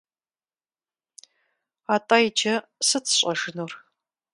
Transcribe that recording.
Атӏэ иджы сыт сщӏэжынур?